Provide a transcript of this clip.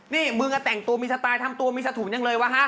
นี่มึงแต่งตัวมีไทร์ที่ทำตัวมีสัตว์ถูงอย่างไร